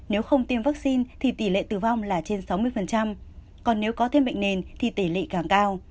nếu không tiêm vaccine thì tỷ lệ tử vong là trên sáu mươi còn nếu có thêm bệnh nền thì tỷ lệ càng cao